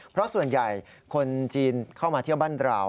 เพราะส่วนใหญ่คนจีนเข้ามาเที่ยวบ้านเรา